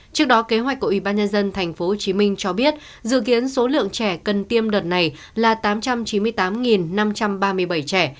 trước đó kế hoạch của ủy ban nhân dân tp hcm cho biết dự kiến số lượng trẻ cần tiêm đợt này là tám trăm chín mươi tám năm trăm ba mươi bảy trẻ